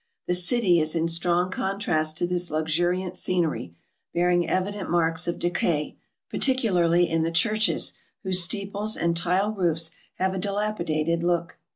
The city is in strong contrast to this luxuriant scenery, bearing evident marks of decay, particularly in the churches, whose steeples and tile roofs have a dilapidated look.